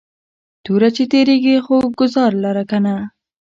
توره چې تیرېږي خو گزار لره کنه